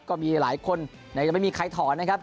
ก็มีหลายคนแต่ยังไม่มีใครถอนนะครับ